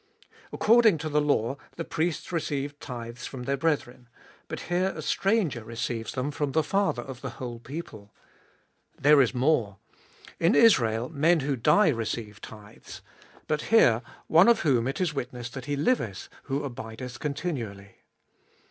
According to the law the priests received tithes from their brethren, but here a stranger receives them 232 abe fbolfest of BH from the father of the whole people. There is more ; in Israel men who die receive tithes ; but here one of whom it is witnessed that He liveth, who abideth continually.